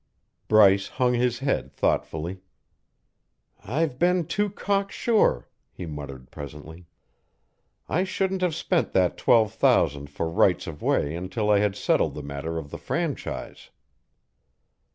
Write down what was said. Bryce hung his head thoughtfully. "I've been too cocksure," he muttered presently. "I shouldn't have spent that twelve thousand for rights of way until I had settled the matter of the franchise."